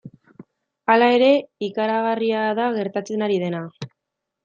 Hala ere, ikaragarria da gertatzen ari dena.